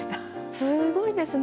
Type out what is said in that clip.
すごいですね。